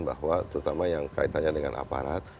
bahwa terutama yang kaitannya dengan aparat